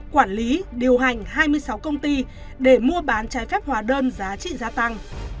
quản lý điều hành hai mươi sáu công ty để mua bán trái phép hóa đơn